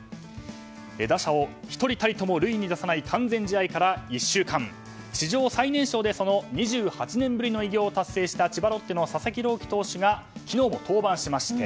打者を１人たりとも塁に出さない完全試合から１週間史上最年少でその２８年ぶりの偉業を達成した千葉ロッテの佐々木朗希投手が昨日も登板しまして